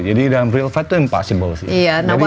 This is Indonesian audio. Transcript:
jadi dalam real fight tuh impossible sih